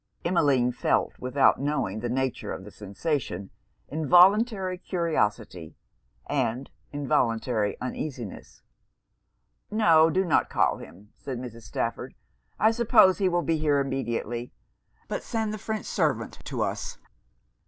Emmeline felt, without knowing the nature of the sensation, involuntary curiosity and involuntary uneasiness. 'No, do not call him,' said Mrs. Stafford 'I suppose he will be here immediately. But send the French servant to us.'